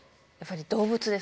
やっぱり。